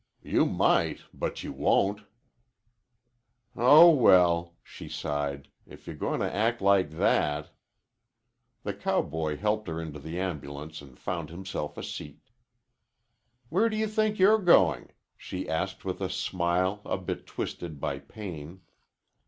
"You might, but you won't." "Oh, well," she sighed. "If you're going to act like that." The cowboy helped her into the ambulance and found himself a seat. "Where do you think you're going?" she asked with a smile a bit twisted by pain.